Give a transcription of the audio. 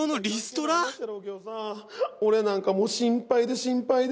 俺なんかもう心配で心配で。